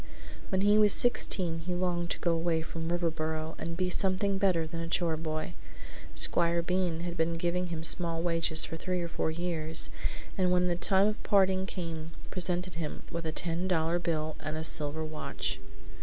When he was sixteen he longed to go away from Riverboro and be something better than a chore boy. Squire Bean had been giving him small wages for three or four years, and when the time of parting came presented him with a ten dollar bill and a silver watch.